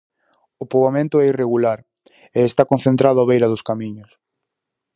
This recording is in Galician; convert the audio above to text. O poboamento é irregular e está concentrado á beira dos camiños.